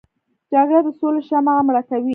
جګړه د سولې شمعه مړه کوي